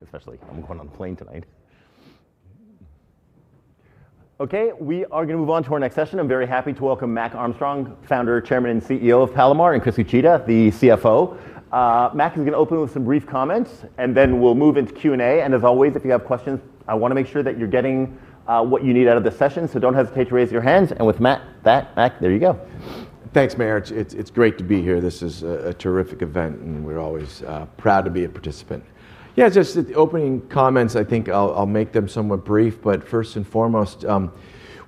... especially, I'm going on the plane tonight. Okay, we are gonna move on to our next session. I'm very happy to welcome Mac Armstrong, Founder, Chairman, and CEO of Palomar, and Chris Uchida, the CFO. Mac is gonna open with some brief comments, and then we'll move into Q&A. And as always, if you have questions, I want to make sure that you're getting what you need out of the session, so don't hesitate to raise your hands. And with Mac, Mac, Mac, there you go. Thanks, Meyer. It's great to be here. This is a terrific event, and we're always proud to be a participant. Yeah, just the opening comments, I think I'll make them somewhat brief, but first and foremost,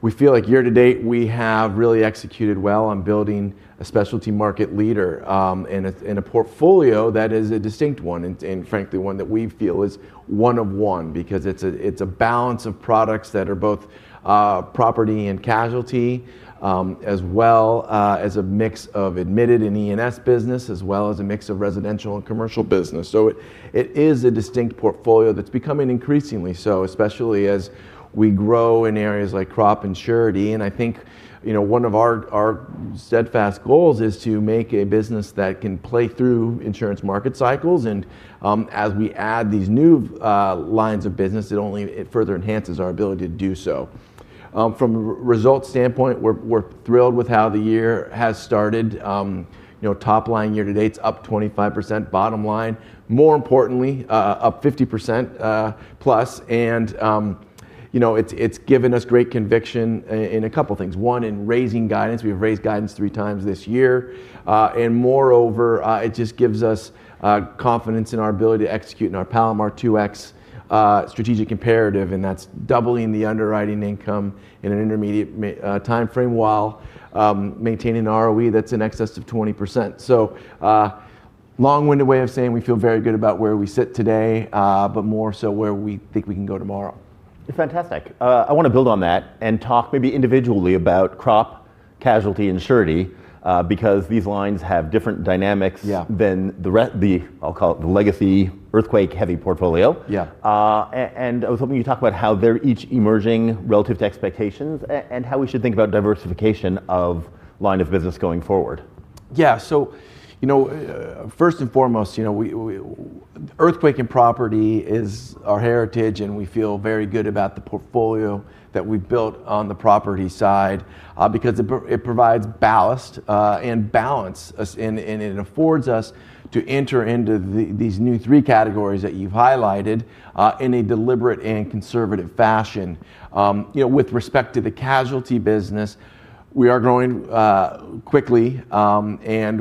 we feel like year to date, we have really executed well on building a specialty market leader, and in a portfolio that is a distinct one, and frankly, one that we feel is one of one. Because it's a balance of products that are both property and casualty, as well as a mix of admitted and E&S business, as well as a mix of residential and commercial business. So it is a distinct portfolio that's becoming increasingly so, especially as we grow in areas like crop and surety. I think, you know, one of our steadfast goals is to make a business that can play through insurance market cycles. And, as we add these new lines of business, it only... it further enhances our ability to do so. From a results standpoint, we're thrilled with how the year has started. You know, top line year to date, it's up 25%, bottom line, more importantly, up 50%+. And, you know, it's given us great conviction in a couple things. One, in raising guidance. We've raised guidance three times this year. And moreover, it just gives us confidence in our ability to execute in our Palomar 2X strategic imperative, and that's doubling the underwriting income in an intermediate timeframe, while maintaining an ROE that's in excess of 20%. Long-winded way of saying we feel very good about where we sit today, but more so where we think we can go tomorrow. Fantastic. I want to build on that, and talk maybe individually about crop, casualty, and surety, because these lines have different dynamics- Yeah... than the, I'll call it, the legacy earthquake-heavy portfolio. Yeah. And I was hoping you'd talk about how they're each emerging relative to expectations and how we should think about diversification of line of business going forward. Yeah, so, you know, first and foremost, you know, we earthquake and property is our heritage, and we feel very good about the portfolio that we've built on the property side, because it provides ballast, and balances us, and it affords us to enter into these new three categories that you've highlighted, in a deliberate and conservative fashion. You know, with respect to the casualty business, we are growing quickly, and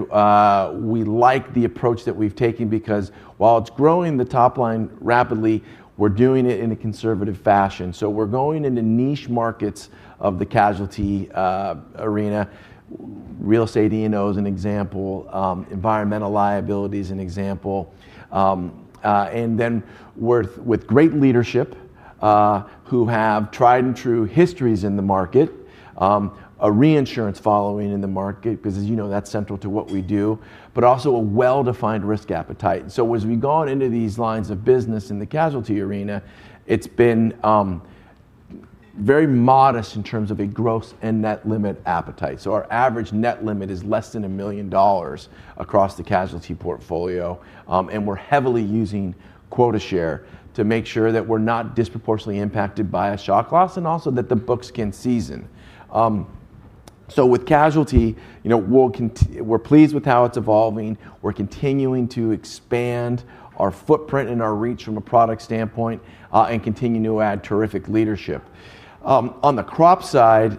we like the approach that we've taken, because while it's growing the top line rapidly, we're doing it in a conservative fashion. So we're going into niche markets of the casualty arena. Real Estate E&O is an example. Environmental Liability is an example. And then with great leadership who have tried-and-true histories in the market, a reinsurance following in the market, 'cause as you know, that's central to what we do, but also a well-defined risk appetite. And so as we've gone into these lines of business in the casualty arena, it's been very modest in terms of a gross and net limit appetite. So our average net limit is less than a million dollars across the casualty portfolio. And we're heavily using quota share to make sure that we're not disproportionately impacted by a shock loss, and also, that the books can season. So with casualty, you know, we're pleased with how it's evolving. We're continuing to expand our footprint and our reach from a product standpoint, and continuing to add terrific leadership. On the crop side,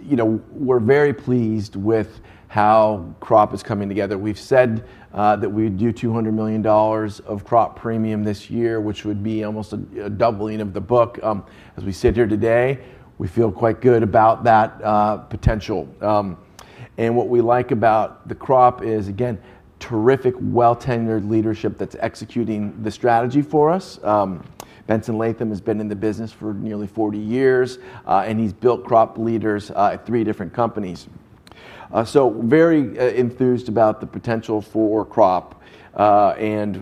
you know, we're very pleased with how crop is coming together. We've said that we'd do $200 million of crop premium this year, which would be almost a doubling of the book. As we sit here today, we feel quite good about that potential and what we like about the crop is, again, terrific, well-tenured leadership that's executing the strategy for us. Benson Latham has been in the business for nearly 40 years, and he's built crop leaders at three different companies, so very enthused about the potential for crop and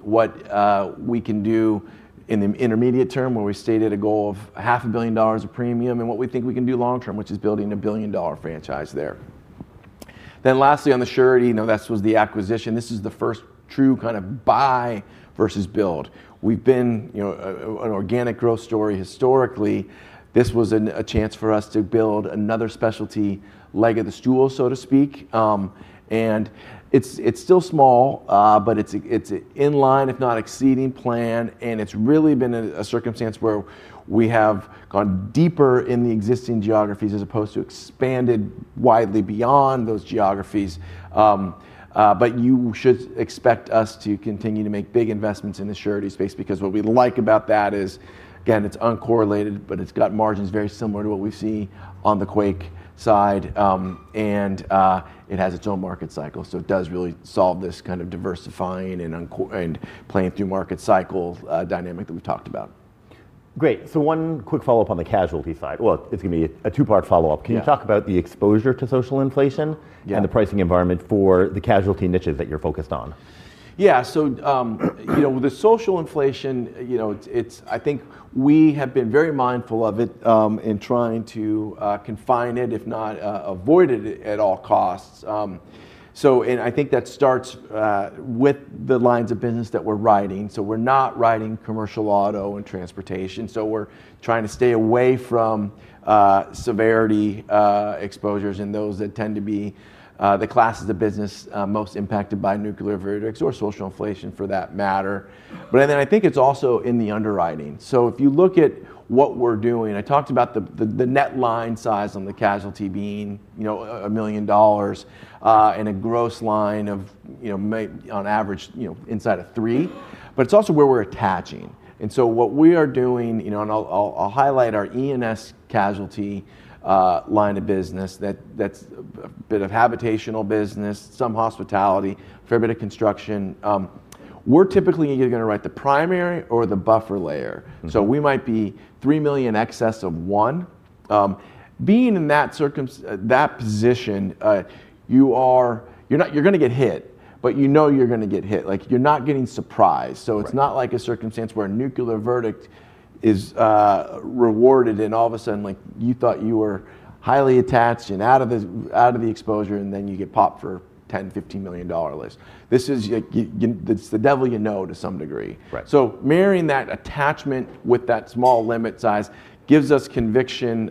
what we can do in the intermediate term, where we stated a goal of $500 million of premium, and what we think we can do long term, which is building a billion-dollar franchise there. Then lastly, on the surety, you know, this was the acquisition. This is the first true kind of buy versus build. We've been, you know, an organic growth story historically. This was a chance for us to build another specialty leg of the stool, so to speak. And it's still small, but it's in line, if not exceeding plan, and it's really been a circumstance where we have gone deeper in the existing geographies as opposed to expanded widely beyond those geographies. But you should expect us to continue to make big investments in the surety space because what we like about that is, again, it's uncorrelated, but it's got margins very similar to what we see on the quake side. And it has its own market cycle, so it does really solve this kind of diversifying and playing through market cycle dynamic that we've talked about.... Great. So one quick follow-up on the casualty side. Well, it's gonna be a two-part follow-up. Yeah. Can you talk about the exposure to social inflation? Yeah - and the pricing environment for the casualty niches that you're focused on? Yeah, so, you know, with the social inflation, you know, it's. I think we have been very mindful of it in trying to confine it, if not avoid it at all costs. So and I think that starts with the lines of business that we're writing. So we're not writing commercial auto and transportation, so we're trying to stay away from severity exposures and those that tend to be the classes of business most impacted by nuclear verdicts or social inflation, for that matter. But then I think it's also in the underwriting. So if you look at what we're doing, I talked about the net line size on the casualty being, you know, a $1 million, and a gross line of, you know, maybe on average, inside of $3 million, but it's also where we're attaching. And so what we are doing, you know, and I'll highlight our E&S Casualty line of business, that's a bit of habitational business, some hospitality, fair bit of construction. We're typically either gonna write the primary or the buffer layer. Mm. So we might be $3 million excess of $1 million. Being in that position, you are. You're gonna get hit, but you know you're gonna get hit. Like, you're not getting surprised. Right. So it's not like a circumstance where a nuclear verdict is rewarded, and all of a sudden, like, you thought you were highly attached and out of the exposure, and then you get popped for $10 million-$15 million at least. This is. It's the devil you know, to some degree. Right. So marrying that attachment with that small limit size gives us conviction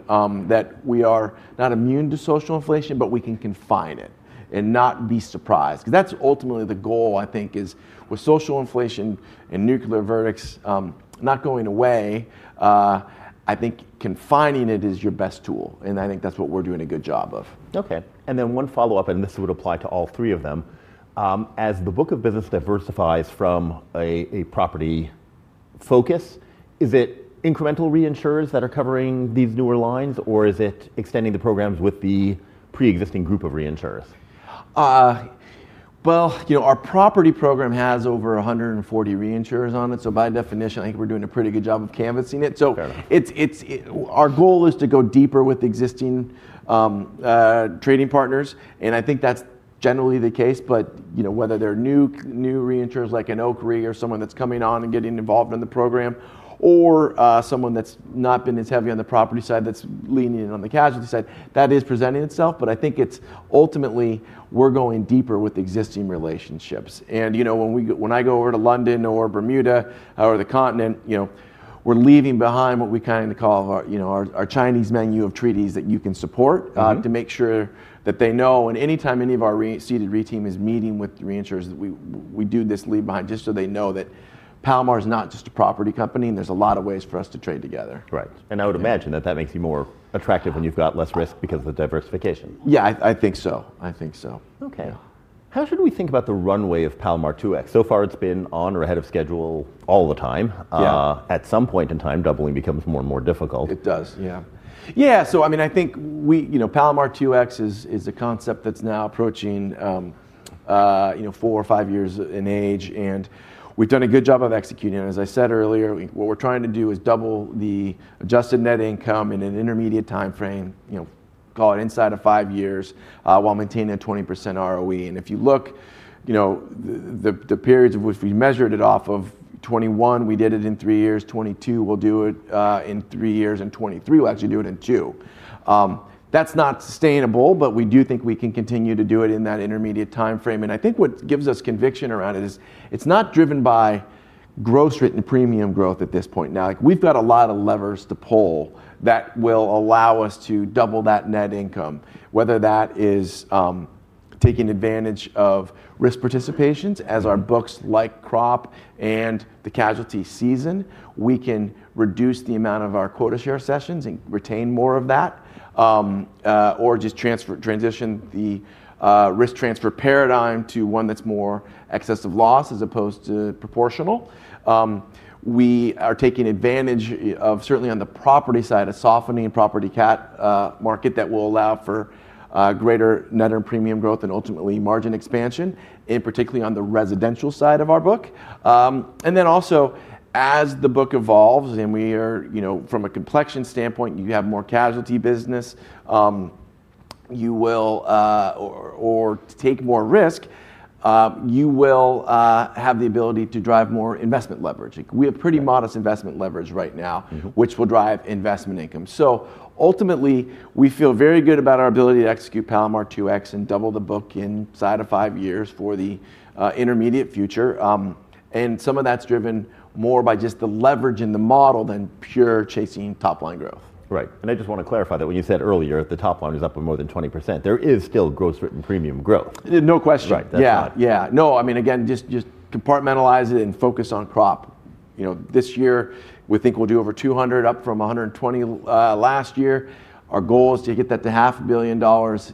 that we are not immune to social inflation, but we can confine it and not be surprised. 'Cause that's ultimately the goal, I think, is with social inflation and nuclear verdicts not going away. I think confining it is your best tool, and I think that's what we're doing a good job of. Okay, and then one follow-up, and this would apply to all three of them: as the book of business diversifies from a property focus, is it incremental reinsurers that are covering these newer lines, or is it extending the programs with the preexisting group of reinsurers? You know, our property program has over 140 reinsurers on it, so by definition, I think we're doing a pretty good job of canvassing it. Fair. So our goal is to go deeper with existing trading partners, and I think that's generally the case. But, you know, whether they're new reinsurers, like an Arch Re or someone that's coming on and getting involved in the program, or someone that's not been as heavy on the property side, that's leaning in on the casualty side, that is presenting itself. But I think it's ultimately we're going deeper with existing relationships. And, you know, when I go over to London or Bermuda or the Continent, you know, we're leaving behind what we kind of call our Chinese menu of treaties that you can support- Mm-hmm... to make sure that they know. And anytime any of our ceded reinsurance team is meeting with the reinsurers, we do this leave behind, just so they know that Palomar is not just a property company, and there's a lot of ways for us to trade together. Right. And I would imagine- Yeah... that makes you more attractive when you've got less risk because of the diversification. Yeah, I think so. I think so. Okay. Yeah. How should we think about the runway of Palomar 2X? So far, it's been on or ahead of schedule all the time. Yeah. At some point in time, doubling becomes more and more difficult. It does, yeah. Yeah, so I mean, I think we, you know, Palomar 2X is a concept that's now approaching, you know, four or five years in age, and we've done a good job of executing it. As I said earlier, what we're trying to do is double the adjusted net income in an intermediate timeframe, you know, call it inside of five years, while maintaining a 20% ROE. And if you look, you know, the periods of which we measured it, off of 2021, we did it in three years. 2022, we'll do it in three years. In 2023, we'll actually do it in two. That's not sustainable, but we do think we can continue to do it in that intermediate timeframe. And I think what gives us conviction around it is it's not driven by gross written premium growth at this point. Now, like, we've got a lot of levers to pull that will allow us to double that net income, whether that is, taking advantage of risk participations- Mm... as our books, like crop and the casualty season, we can reduce the amount of our quota share cessions and retain more of that, or just transition the risk transfer paradigm to one that's more excess of loss as opposed to proportional. We are taking advantage of certainly on the property side, a softening property cat market that will allow for greater net premium growth and, ultimately, margin expansion, and particularly on the residential side of our book. And then also, as the book evolves, and we are... You know, from a complexion standpoint, you have more Casualty business, or take more risk, you will have the ability to drive more investment leverage. Yeah. We have pretty modest investment leverage right now- Mm-hmm... which will drive investment income. So ultimately, we feel very good about our ability to execute Palomar 2X and double the book inside of five years for the intermediate future. And some of that's driven more by just the leverage in the model than pure chasing top-line growth. Right. And I just want to clarify that when you said earlier that the top line is up by more than 20%, there is still gross written premium growth? No question. Right. That's fine. Yeah, yeah. No, I mean, again, just, just departmentalize it and focus on crop. You know, this year, we think we'll do over $200 million, up from $120 million last year. Our goal is to get that to $500 million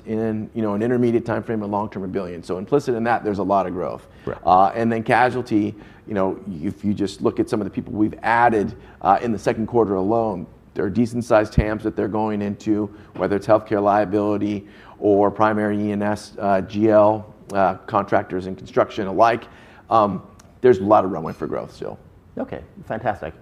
in, you know, an intermediate timeframe and long term, $1 billion. So implicit in that, there's a lot of growth. Right. And then casualty, you know, if you just look at some of the people we've added in the second quarter alone, there are decent-sized TAMs that they're going into, whether it's Healthcare Liability or primary E&S, GL, contractors and construction alike. There's a lot of runway for growth still. Okay, fantastic.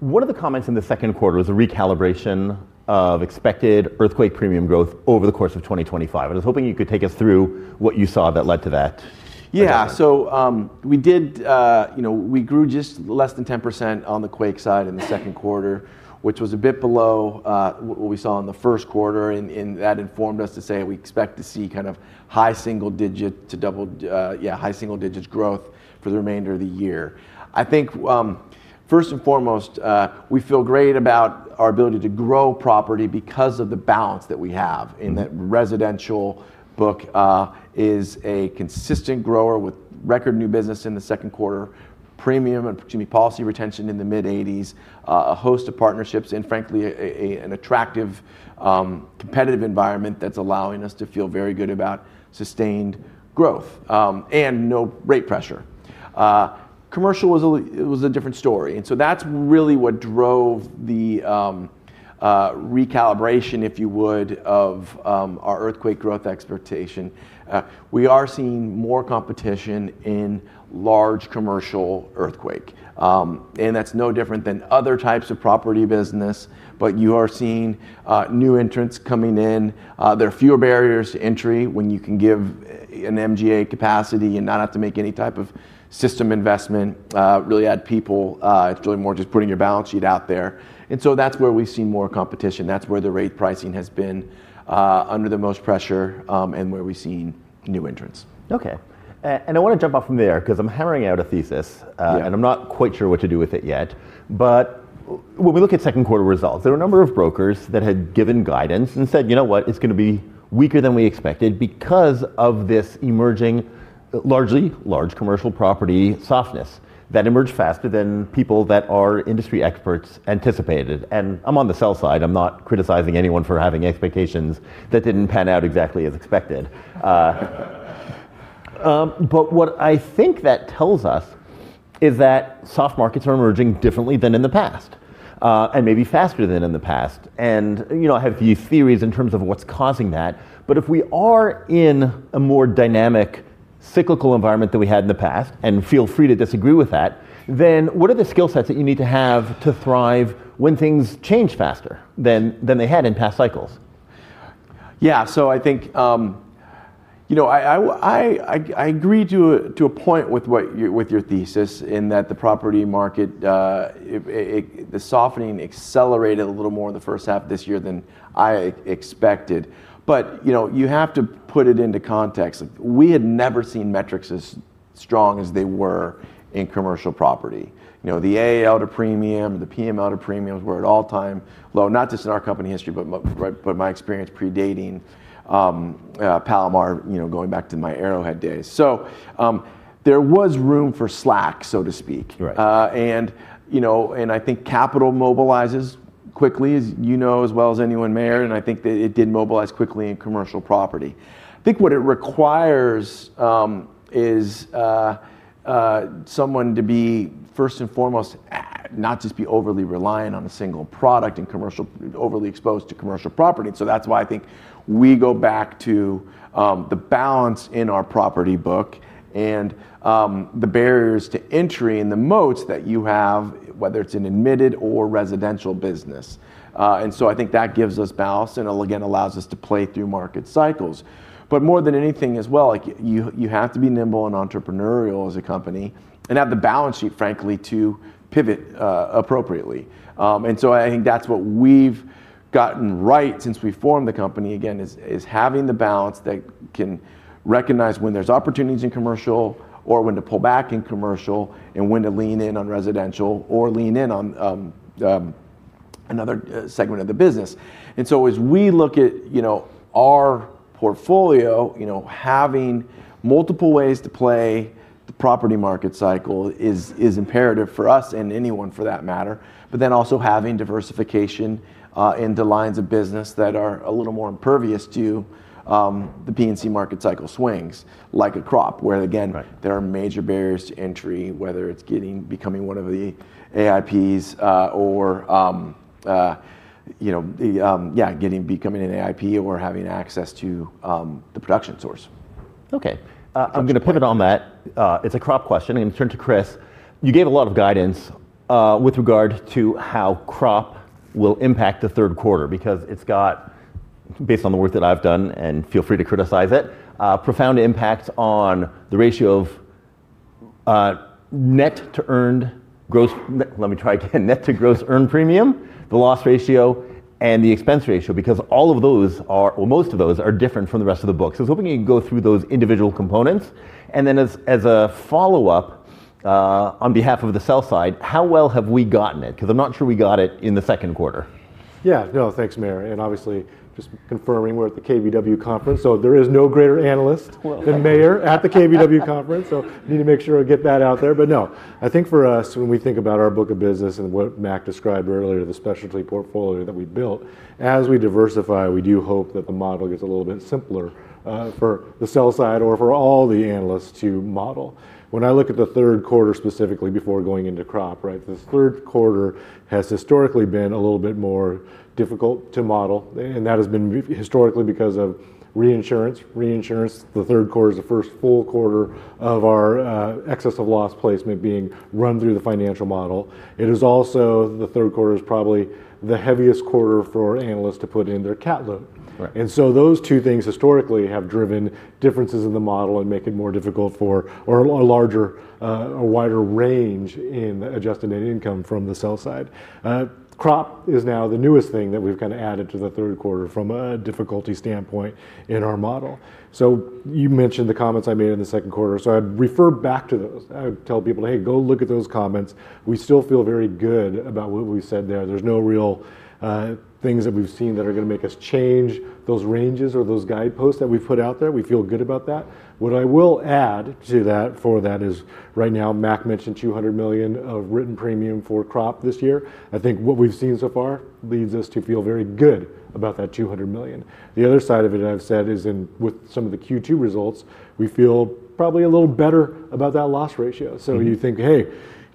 One of the comments in the second quarter was a recalibration of expected earthquake premium growth over the course of 2025. I was hoping you could take us through what you saw that led to that? Yeah. So, we did, you know, we grew just less than 10% on the quake side in the second quarter, which was a bit below what we saw in the first quarter, and that informed us to say we expect to see kind of high single digit to double, high single digits growth for the remainder of the year. I think, first and foremost, we feel great about our ability to grow property because of the balance that we have. Mm-hmm. In that residential book is a consistent grower with record new business in the second quarter, premium and policy retention in the mid-80s, a host of partnerships, and frankly, an attractive competitive environment that's allowing us to feel very good about sustained growth, and no rate pressure. Commercial was a different story, and so that's really what drove the recalibration, if you would, of our earthquake growth expectation. We are seeing more competition in large commercial earthquake, and that's no different than other types of property business, but you are seeing new entrants coming in. There are fewer barriers to entry when you can give an MGA capacity and not have to make any type of system investment, really add people. It's really more just putting your balance sheet out there, and so that's where we've seen more competition. That's where the rate pricing has been under the most pressure, and where we've seen new entrants. Okay, and I want to jump off from there 'cause I'm hammering out a thesis- Yeah... and I'm not quite sure what to do with it yet. But when we look at second quarter results, there are a number of brokers that had given guidance and said, "You know what? It's gonna be weaker than we expected," because of this emerging, largely large commercial property softness that emerged faster than people that are industry experts anticipated. And I'm on the sell side. I'm not criticizing anyone for having expectations that didn't pan out exactly as expected. But what I think that tells us is that soft markets are emerging differently than in the past, and maybe faster than in the past. And, you know, I have a few theories in terms of what's causing that. But if we are in a more dynamic, cyclical environment than we had in the past, and feel free to disagree with that, then what are the skill sets that you need to have to thrive when things change faster than they had in past cycles? Yeah, so I think, you know, I agree to a point with what your thesis in that the property market, the softening accelerated a little more in the first half of this year than I expected. But, you know, you have to put it into context. We had never seen metrics as strong as they were in commercial property. You know, the AAL to premium, the PML out of premiums were at all-time low, not just in our company history, but my experience predating Palomar, you know, going back to my Arrowhead days. So, there was room for slack, so to speak. Right. You know, and I think capital mobilizes quickly, as you know, as well as anyone, Meyer, and I think that it did mobilize quickly in commercial property. I think what it requires is someone to be, first and foremost, not just be overly reliant on a single product and overly exposed to commercial property. So that's why I think we go back to the balance in our property book and the barriers to entry and the moats that you have, whether it's in admitted or residential business. And so I think that gives us balance, and again, allows us to play through market cycles. But more than anything as well, like, you have to be nimble and entrepreneurial as a company and have the balance sheet, frankly, to pivot appropriately. And so I think that's what we've gotten right since we formed the company, again, is having the balance that can recognize when there's opportunities in commercial, or when to pull back in commercial, and when to lean in on residential, or lean in on another segment of the business. And so as we look at our portfolio, you know, having multiple ways to play the property market cycle is imperative for us and anyone for that matter. But then also having diversification in the lines of business that are a little more impervious to the P&C market cycle swings, like a crop, where again- Right... there are major barriers to entry, whether it's becoming one of the AIPs, or you know, becoming an AIP or having access to the production source. Okay. Um- I'm gonna put it on that. It's a crop question. I'm gonna turn to Chris. You gave a lot of guidance with regard to how crop will impact the third quarter because it's got, based on the work that I've done, and feel free to criticize it, a profound impact on the ratio of net to earned gross. Let me try again. Net to gross earned premium, the loss ratio, and the expense ratio, because all of those are, or most of those are different from the rest of the book. So I was hoping you could go through those individual components, and then as a follow-up, on behalf of the sell side, how well have we gotten it? 'Cause I'm not sure we got it in the second quarter.... Yeah, no, thanks, Meyer. And obviously just confirming we're at the KBW Conference, so there is no greater analyst than Meyer at the KBW Conference. So need to make sure I get that out there. But no, I think for us, when we think about our book of business and what Mac described earlier, the specialty portfolio that we built, as we diversify, we do hope that the model gets a little bit simpler, for the sell side or for all the analysts to model. When I look at the third quarter, specifically before going into crop, right, this third quarter has historically been a little bit more difficult to model, and that has been historically because of reinsurance. Reinsurance, the third quarter is the first full quarter of our excess of loss placement being run through the financial model. It is also. The third quarter is probably the heaviest quarter for our analysts to put in their cat load. Right. Those two things historically have driven differences in the model and make it more difficult or a larger, a wider range in adjusted net income from the sell side. Crop is now the newest thing that we've kind of added to the third quarter from a difficulty standpoint in our model. You mentioned the comments I made in the second quarter, so I'd refer back to those. I would tell people, "Hey, go look at those comments." We still feel very good about what we said there. There's no real things that we've seen that are going to make us change those ranges or those guideposts that we've put out there. We feel good about that. What I will add to that, for that is right now, Mac mentioned $200 million of written premium for crop this year. I think what we've seen so far leads us to feel very good about that $200 million. The other side of it, I've said, is in with some of the Q2 results, we feel probably a little better about that loss ratio. Mm. So you think, hey,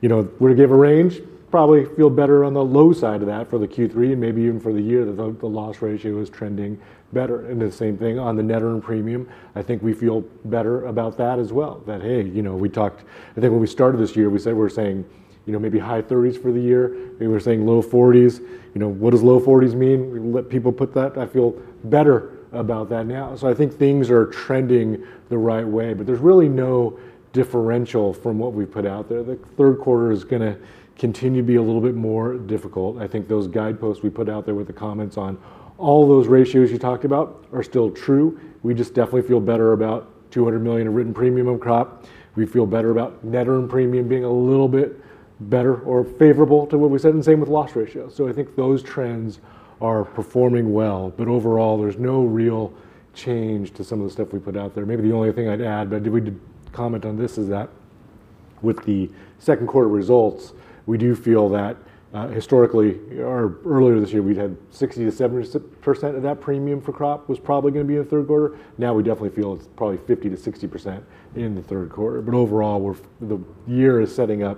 you know, we're going to give a range, probably feel better on the low side of that for the Q3 and maybe even for the year, that the loss ratio is trending better. And the same thing on the net earned premium. I think we feel better about that as well, that, hey, you know, we talked. I think when we started this year, we said... we're saying, you know, maybe high thirties for the year. Maybe we're saying low forties. You know, what does low forties mean? We let people put that. I feel better about that now. So I think things are trending the right way, but there's really no differential from what we've put out there. The third quarter is going to continue to be a little bit more difficult. I think those guideposts we put out there with the comments on all those ratios you talked about are still true. We just definitely feel better about $200 million of written premium on crop. We feel better about net earned premium being a little bit better or favorable to what we said, and same with loss ratio. So I think those trends are performing well, but overall, there's no real change to some of the stuff we put out there. Maybe the only thing I'd add, but we did comment on this, is that with the second quarter results, we do feel that, historically or earlier this year, we'd had 60%-70% of that premium for crop was probably going to be in the third quarter. Now, we definitely feel it's probably 50%-60% in the third quarter. But overall, the year is setting up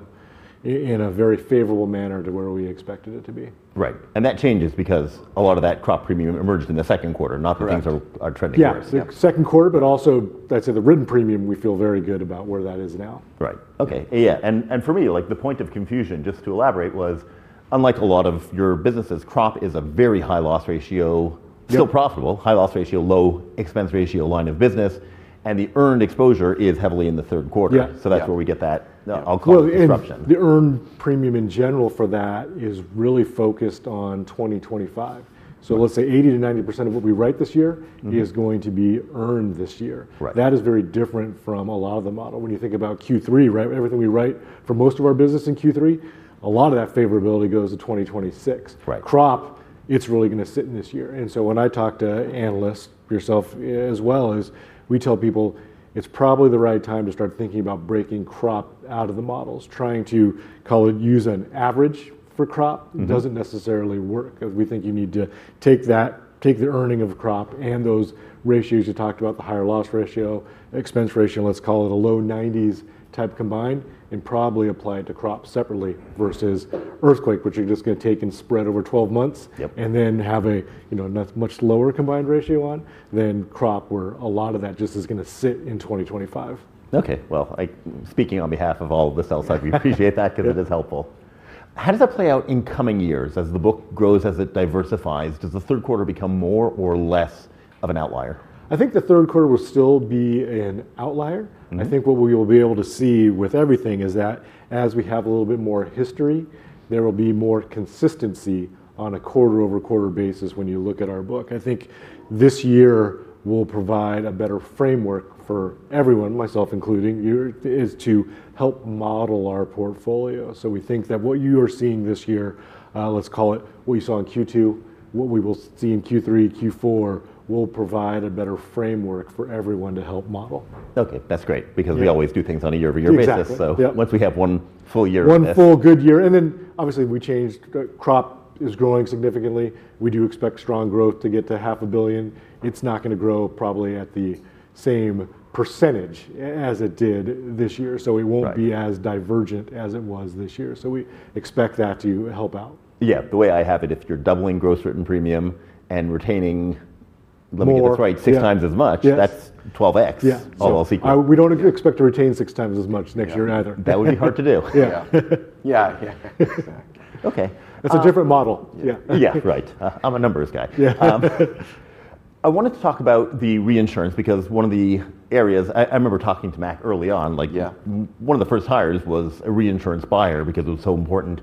in a very favorable manner to where we expected it to be. Right, and that changes because a lot of that crop premium emerged in the second quarter- Correct... not that things are trending worse. Yeah. Yeah. The second quarter, but also I'd say the written premium, we feel very good about where that is now. Right. Okay. Yeah, and for me, like, the point of confusion, just to elaborate, was unlike a lot of your businesses, crop is a very high loss ratio- Yeah... still profitable, high loss ratio, low expense ratio line of business, and the earned exposure is heavily in the third quarter. Yeah, yeah. So that's where we get that, I'll call it, disruption. The earned premium in general for that is really focused on 2025. Right. So let's say 80%-90% of what we write this year- Mm... is going to be earned this year. Right. That is very different from a lot of the model. When you think about Q3, right, everything we write for most of our business in Q3, a lot of that favorability goes to 2026. Right. Crop, it's really going to sit in this year, and so when I talk to analysts, yourself as well, is we tell people it's probably the right time to start thinking about breaking crop out of the models. Trying to call it, use an average for crop- Mm... doesn't necessarily work, 'cause we think you need to take that, take the earning of crop and those ratios you talked about, the higher loss ratio, expense ratio, let's call it a low-nineties-type combined, and probably apply it to crop separately versus earthquake, which you're just going to take and spread over twelve months. Yep. And then have, you know, a much lower combined ratio on than crop, where a lot of that just is going to sit in 2025. Speaking on behalf of all the sell-side, we appreciate that because it is helpful. How does that play out in coming years as the book grows, as it diversifies? Does the third quarter become more or less of an outlier? I think the third quarter will still be an outlier. Mm. I think what we will be able to see with everything is that as we have a little bit more history, there will be more consistency on a quarter-over-quarter basis when you look at our book. I think this year will provide a better framework for everyone, myself included, here, is to help model our portfolio. So we think that what you are seeing this year, let's call it what you saw in Q2, what we will see in Q3, Q4, will provide a better framework for everyone to help model. Okay, that's great. Yeah... because we always do things on a year-over-year basis. Exactly, yeah. So once we have one full year- One full good year, and then obviously we changed. Crop is growing significantly. We do expect strong growth to get to $500 million. It's not going to grow probably at the same percentage as it did this year. Right. So it won't be as divergent as it was this year. So we expect that to help out. Yeah, the way I have it, if you're doubling gross written premium and retaining- More... let me get this right, 6x as much- Yes, yes... that's 12x. Yeah. All else equal. We don't expect to retain 6x as much next year either. That would be hard to do. Yeah. Yeah, yeah. Okay. It's a different model. Yeah. Yeah, right. I'm a numbers guy. Yeah. I wanted to talk about the reinsurance, because one of the areas... I remember talking to Mac early on, like- Yeah... one of the first hires was a reinsurance buyer because it was so important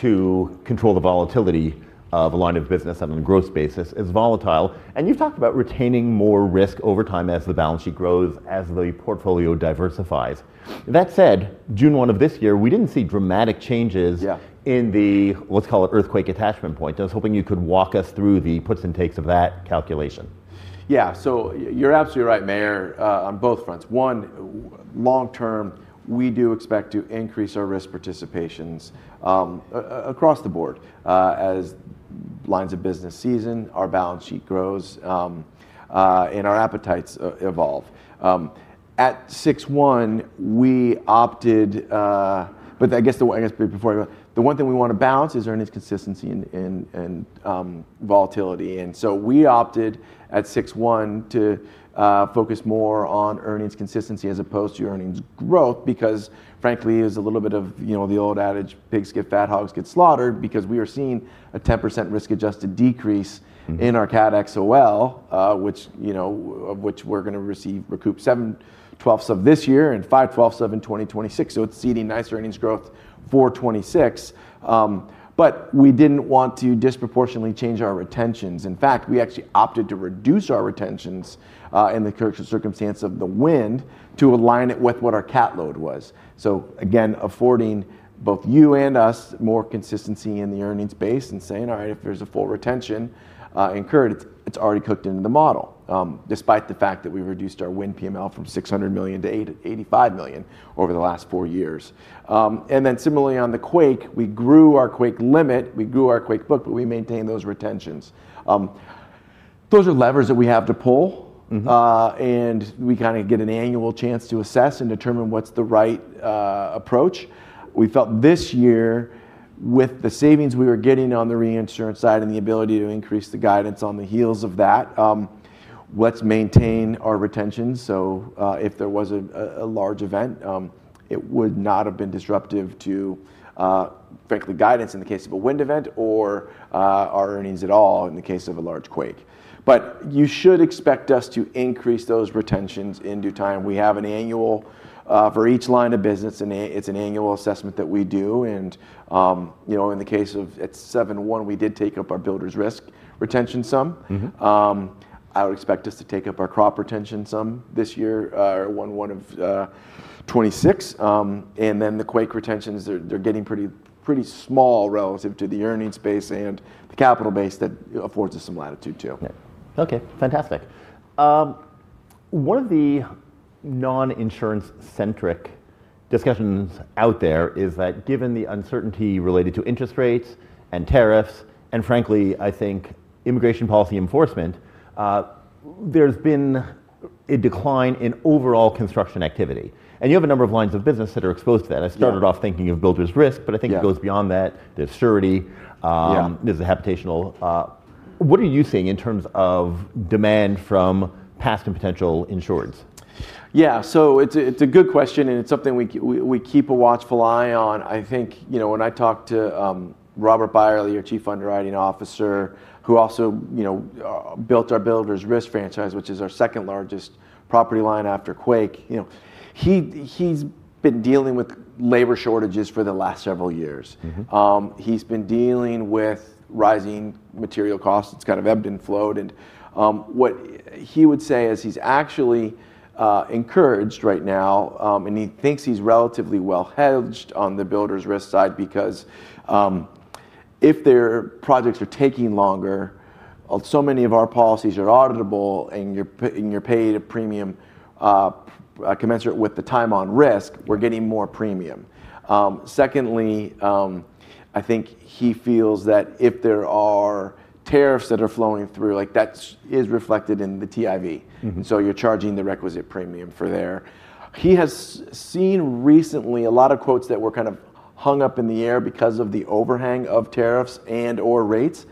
to control the volatility of a line of business on a gross basis. It's volatile, and you've talked about retaining more risk over time as the balance sheet grows, as the portfolio diversifies. That said, June 1 of this year, we didn't see dramatic changes- Yeah... in the, let's call it, earthquake attachment point. I was hoping you could walk us through the puts and takes of that calculation. Yeah. So you're absolutely right, Meyer, on both fronts. One, long term, we do expect to increase our risk participations across the board, as lines of business cessions, our balance sheet grows, and our appetites evolve. At 6/1, we opted but before I go on, the one thing we want to balance is earnings consistency and volatility. And so we opted at 6/1 to focus more on earnings consistency as opposed to earnings growth because, frankly, it was a little bit of, you know, the old adage, "Pigs get fat, hogs get slaughtered," because we are seeing a 10% risk-adjusted decrease- Mm-hmm. in our Cat XOL, which, you know, of which we're going to receive recoup 7/12 of this year and 5/12 of in 2026. So it's ceding nice earnings growth for 2026. But we didn't want to disproportionately change our retentions. In fact, we actually opted to reduce our retentions, in the circumstance of the wind to align it with what our cat load was. So again, affording both you and us more consistency in the earnings base and saying, "All right, if there's a full retention, incurred, it's already cooked into the model," despite the fact that we reduced our wind PML from $600 million-$85 million over the last four years. And then similarly on the quake, we grew our quake limit, we grew our quake book, but we maintained those retentions. Those are levers that we have to pull. Mm-hmm. And we kind of get an annual chance to assess and determine what's the right approach. We felt this year, with the savings we were getting on the reinsurance side and the ability to increase the guidance on the heels of that, let's maintain our retention. So, if there was a large event, it would not have been disruptive to, frankly, guidance in the case of a wind event or our earnings at all in the case of a large quake. But you should expect us to increase those retentions in due time. We have an annual. For each line of business, it's an annual assessment that we do. And, you know, in the case of 7/1, we did take up our Builder's Risk retention sum. Mm-hmm. I would expect us to take up some of our crop retention this year or in 2026. Then the quake retentions, they're getting pretty small relative to the earnings base and the capital base that affords us some latitude, too. Okay. Fantastic. One of the non-insurance-centric discussions out there is that, given the uncertainty related to interest rates and tariffs, and frankly, I think immigration policy enforcement, there's been a decline in overall construction activity, and you have a number of lines of business that are exposed to that. Yeah. I started off thinking of Builder's Risk- Yeah... but I think it goes beyond that. There's surety. Yeah. There's the habitational. What are you seeing in terms of demand from past and potential insureds? Yeah. So it's a good question, and it's something we keep a watchful eye on. I think, you know, when I talk to Robert Byerly, our Chief Underwriting Officer, who also, you know, built our Builder's Risk franchise, which is our second-largest property line after quake, you know, he's been dealing with labor shortages for the last several years. Mm-hmm. He's been dealing with rising material costs. It's kind of ebbed and flowed. And, what he would say is he's actually encouraged right now, and he thinks he's relatively well-hedged on the Builder's Risk side because, if their projects are taking longer, so many of our policies are auditable, and you're paid a premium commensurate with the time on risk, we're getting more premium. Secondly, I think he feels that if there are tariffs that are flowing through, like, that's reflected in the TIV. Mm-hmm. So you're charging the requisite premium for there. He has seen recently a lot of quotes that were kind of hung up in the air because of the overhang of tariffs and/or rates.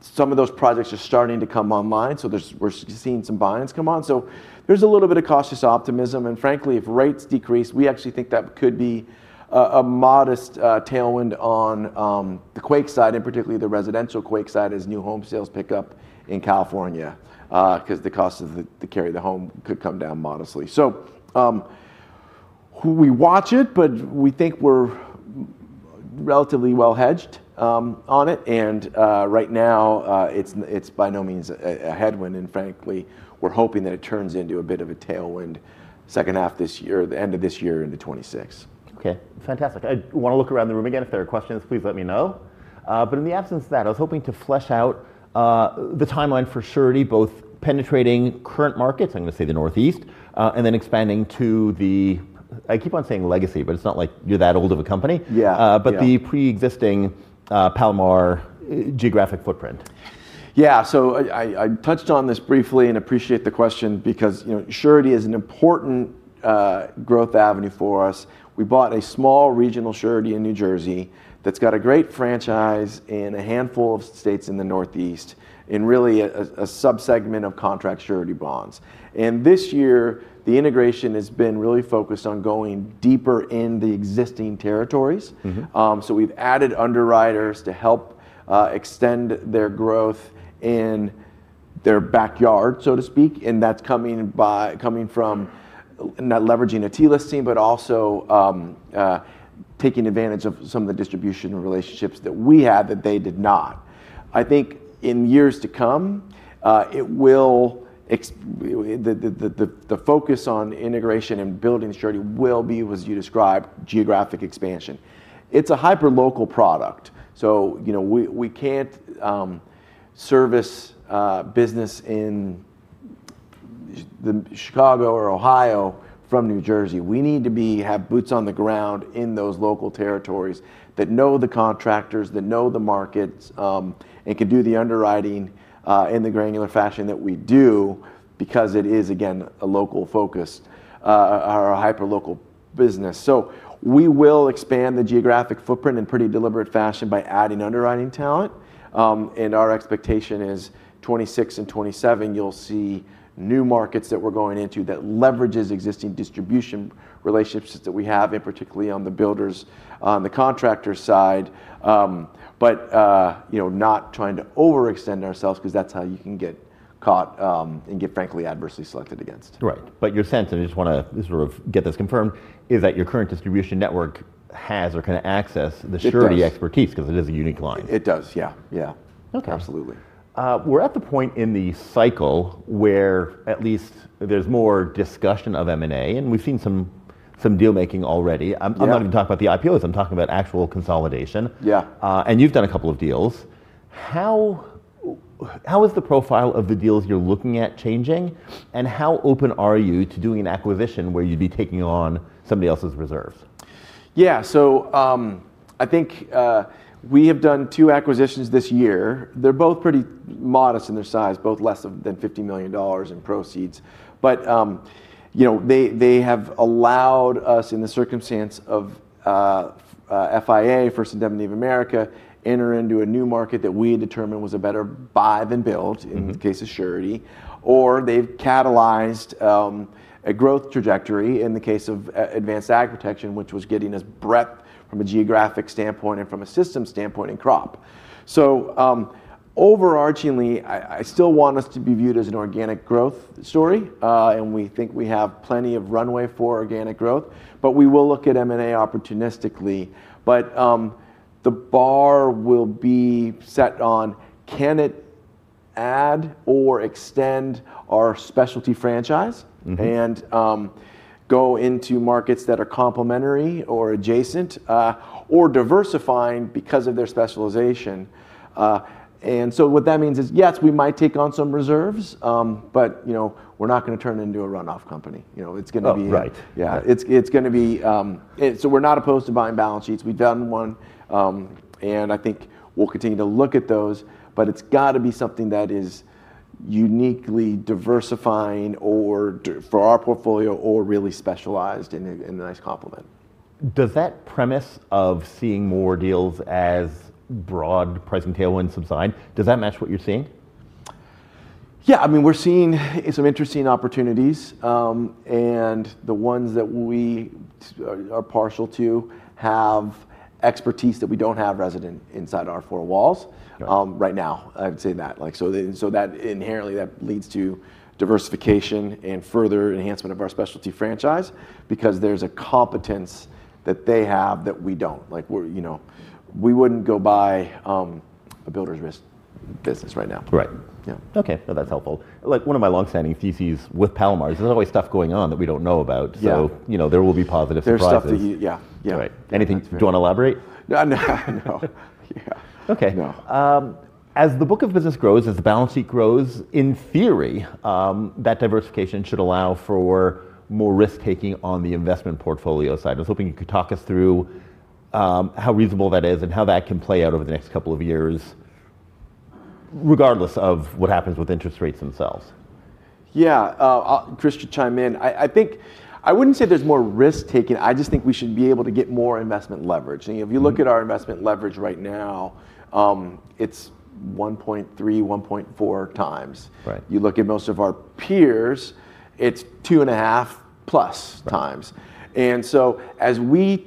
Some of those projects are starting to come online, so we're seeing some bindings come on. So there's a little bit of cautious optimism, and frankly, if rates decrease, we actually think that could be a modest tailwind on the quake side, and particularly the residential quake side, as new home sales pick up in California, 'cause the cost of the carry of the home could come down modestly. So we watch it, but we think we're relatively well-hedged on it. And right now, it's by no means a headwind, and frankly, we're hoping that it turns into a bit of a tailwind second half this year, the end of this year into 2026. Okay, fantastic. I want to look around the room again. If there are questions, please let me know. But in the absence of that, I was hoping to flesh out the timeline for surety, both penetrating current markets, I'm going to say the Northeast, and then expanding to the... I keep on saying legacy, but it's not like you're that old of a company- Yeah, yeah... but the pre-existing, Palomar geographic footprint. Yeah. So I touched on this briefly and appreciate the question because, you know, surety is an important growth avenue for us. We bought a small regional surety in New Jersey that's got a great franchise in a handful of states in the Northeast, in really a subsegment of contract surety bonds. And this year, the integration has been really focused on going deeper in the existing territories. Mm-hmm. So we've added underwriters to help extend their growth in their backyard, so to speak, and that's coming from not leveraging a T-listing, but also taking advantage of some of the distribution relationships that we had that they did not. I think in years to come, the focus on integration and building surety will be, as you described, geographic expansion. It's a hyperlocal product, so you know, we can't service business in the Chicago or Ohio from New Jersey. We need to have boots on the ground in those local territories that know the contractors, that know the markets, and can do the underwriting in the granular fashion that we do because it is, again, a local focus or a hyperlocal business. So we will expand the geographic footprint in pretty deliberate fashion by adding underwriting talent. And our expectation is 2026 and 2027, you'll see new markets that we're going into that leverages existing distribution relationships that we have, and particularly on the builders, on the contractor side. But, you know, not trying to overextend ourselves 'cause that's how you can get caught, and get, frankly, adversely selected against. Right. But your sense, and I just wanna sort of get this confirmed, is that your current distribution network has or can access- It does... the surety expertise 'cause it is a unique line. It does, yeah, yeah. Okay. Absolutely. We're at the point in the cycle where at least there's more discussion of M&A, and we've seen some deal-making already. Yeah. I'm not even talking about the IPOs. I'm talking about actual consolidation. Yeah. And you've done a couple of deals. How is the profile of the deals you're looking at changing? And how open are you to doing an acquisition where you'd be taking on somebody else's reserves? Yeah, so, I think, we have done two acquisitions this year. They're both pretty modest in their size, both less than $50 million in proceeds. But, you know, they have allowed us, in the circumstance of FIA, First Indemnity of America, enter into a new market that we had determined was a better buy than build- Mm-hmm... in the case of surety. Or they've catalyzed a growth trajectory in the case of Advanced AgProtection, which was getting us breadth from a geographic standpoint and from a systems standpoint in crop. So, overarchingly, I still want us to be viewed as an organic growth story, and we think we have plenty of runway for organic growth, but we will look at M&A opportunistically. But, the bar will be set on, can it add or extend our specialty franchise- Mm-hmm... and go into markets that are complementary or adjacent, or diversifying because of their specialization? And so what that means is, yes, we might take on some reserves, but, you know, we're not gonna turn it into a runoff company. You know, it's gonna be- Oh, right. Yeah. Yeah. It's gonna be so we're not opposed to buying balance sheets. We've done one, and I think we'll continue to look at those, but it's gotta be something that is uniquely diversifying or for our portfolio or really specialized and a nice complement. Does that premise of seeing more deals as broad pricing tailwinds subside, does that match what you're seeing? Yeah, I mean, we're seeing some interesting opportunities, and the ones that we are, are partial to have expertise that we don't have resident inside our four walls- Okay... right now. I would say that. Like, so that inherently, that leads to diversification and further enhancement of our specialty franchise because there's a competence that they have that we don't. Like, we're, you know, we wouldn't go buy a Builder's Risk business right now. Right. Yeah. Okay. No, that's helpful. Like, one of my long-standing theses with Palomar, there's always stuff going on that we don't know about- Yeah... so, you know, there will be positive surprises. There's stuff that, yeah. Yeah. Right. That's fair. Anything... Do you wanna elaborate? No. No. Yeah. Okay. No. As the book of business grows, as the balance sheet grows, in theory, that diversification should allow for more risk-taking on the investment portfolio side. I was hoping you could talk us through how reasonable that is and how that can play out over the next couple of years, regardless of what happens with interest rates themselves. Yeah, Chris should chime in. I think... I wouldn't say there's more risk-taking, I just think we should be able to get more investment leverage. Mm-hmm. If you look at our investment leverage right now, it's 1.3x-1.4x. Right. You look at most of our peers, it's 2.5x+. Right. And so as we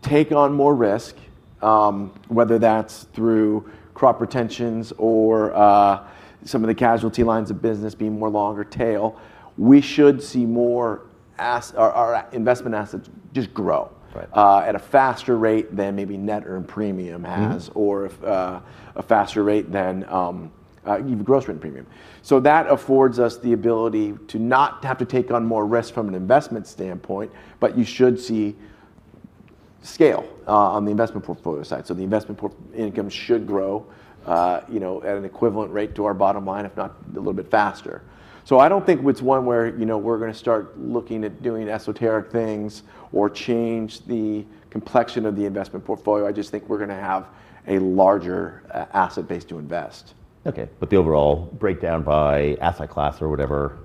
take on more risk, whether that's through crop retentions or some of the casualty lines of business being more longer tail, we should see more as our investment assets just grow- Right... at a faster rate than maybe net earned premium has- Mm-hmm... or if a faster rate than even gross written premium. So that affords us the ability to not have to take on more risk from an investment standpoint, but you should see scale on the investment portfolio side. So the investment portfolio income should grow, you know, at an equivalent rate to our bottom line, if not a little bit faster. So I don't think it's one where, you know, we're gonna start looking at doing esoteric things or change the complexion of the investment portfolio. I just think we're gonna have a larger asset base to invest. Okay. But the overall breakdown by asset class or whatever-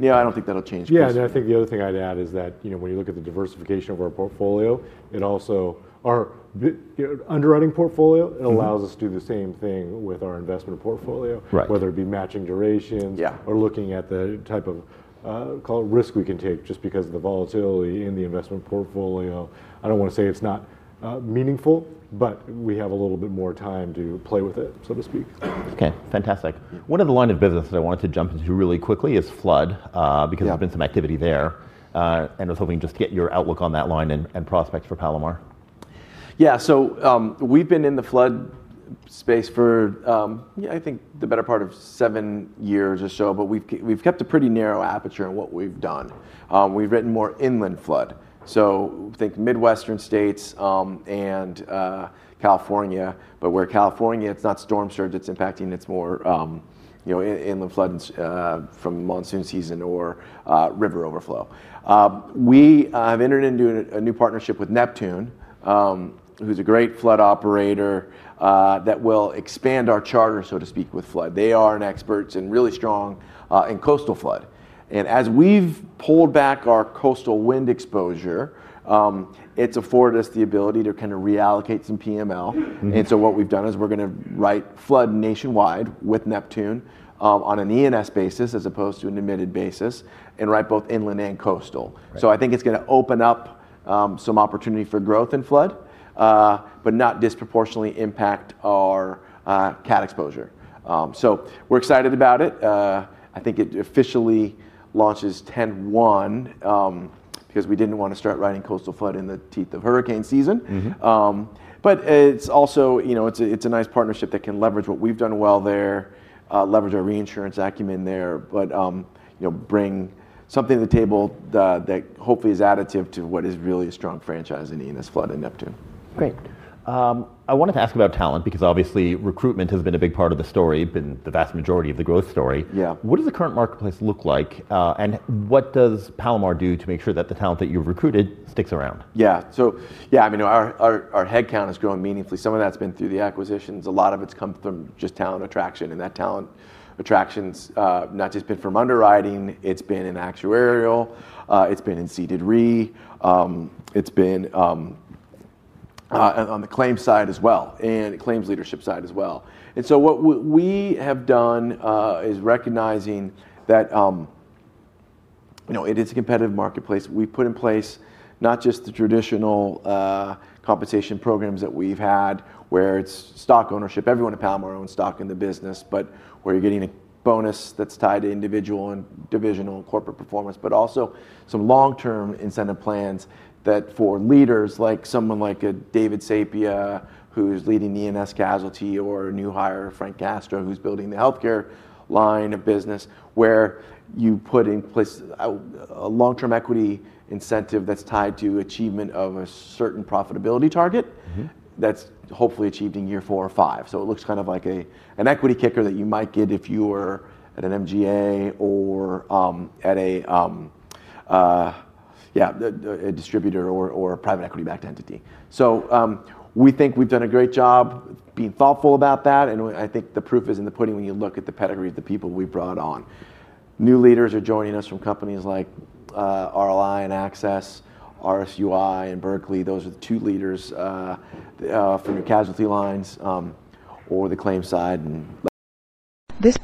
Yeah, I don't think that'll change. Yeah, and I think the other thing I'd add is that, you know, when you look at the diversification of our portfolio, it also... Our underwriting portfolio- Mm-hmm... it allows us to do the same thing with our investment portfolio- Right... whether it be matching durations- Yeah... or looking at the type of, call it, risk we can take just because of the volatility in the investment portfolio. I don't wanna say it's not meaningful, but we have a little bit more time to play with it, so to speak. Okay, fantastic. Yeah. One of the line of business that I wanted to jump into really quickly is flood. Yeah... because there's been some activity there, and I was hoping just to get your outlook on that line and prospects for Palomar.... Yeah, so, we've been in the flood space for, yeah, I think the better part of seven years or so, but we've kept a pretty narrow aperture on what we've done. We've written more inland flood, so think Midwestern states, and California. But where California, it's not storm surge it's impacting, it's more, you know, inland flood, and from monsoon season or river overflow. We have entered into a new partnership with Neptune, who's a great flood operator, that will expand our charter, so to speak, with flood. They are experts and really strong in coastal flood. And as we've pulled back our coastal wind exposure, it's afforded us the ability to kind of reallocate some PML. Mm-hmm. What we've done is we're gonna write flood nationwide with Neptune, on an E&S basis as opposed to an admitted basis, and write both inland and coastal. Right. So I think it's gonna open up some opportunity for growth in flood, but not disproportionately impact our cat exposure. So we're excited about it. I think it officially launches 10/1, 'cause we didn't wanna start writing coastal flood in the teeth of hurricane season. Mm-hmm. But it's also, you know, a nice partnership that can leverage what we've done well there, leverage our reinsurance acumen there, but, you know, bring something to the table that hopefully is additive to what is really a strong franchise in E&S flood and Neptune. Great. I wanted to ask about talent because obviously recruitment has been a big part of the story, been the vast majority of the growth story. Yeah. What does the current marketplace look like, and what does Palomar do to make sure that the talent that you've recruited sticks around? Yeah, so yeah, I mean, our head count has grown meaningfully. Some of that's been through the acquisitions. A lot of it's come from just talent attraction, and that talent attraction's not just been from underwriting, it's been in actuarial, it's been in ceded Re, it's been on the claims side as well, and claims leadership side as well. And so what we have done is recognizing that, you know, it is a competitive marketplace. We've put in place not just the traditional compensation programs that we've had, where it's stock ownership, everyone at Palomar owns stock in the business, but where you're getting a bonus that's tied to individual and divisional corporate performance, but also some long-term incentive plans that for leaders, like someone like a David Sapia, who's leading E&S Casualty, or a new hire, Frank Castro, who's building the healthcare line of business, where you put in place a long-term equity incentive that's tied to achievement of a certain profitability target- Mm-hmm... that's hopefully achieved in year four or five. So it looks kind of like a, an equity kicker that you might get if you were at an MGA or, at a, yeah, a, a distributor or, or a private equity-backed entity. So, we think we've done a great job being thoughtful about that, and w- I think the proof is in the pudding when you look at the pedigree of the people we've brought on. New leaders are joining us from companies like, RLI and AXIS, RSUI and Berkeley. Those are the two leaders, from the casualty lines, or the claims side, and-